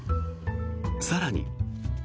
更に。